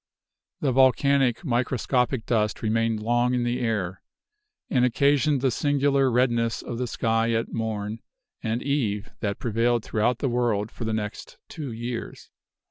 The volcanic, microscopic dust remained long in the air, and occasioned the singular redness of the sky at morn and eve that prevailed throughout the world for the next two years.